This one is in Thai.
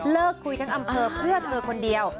คุยทั้งอำเภอเพื่อเธอคนเดียว